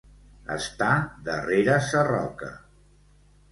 Estar darrere sa roca.